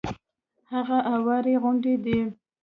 هغه اوارې غونډې دي.